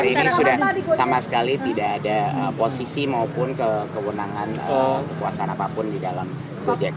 hari ini sudah sama sekali tidak ada posisi maupun kewenangan kekuasaan apapun di dalam gojek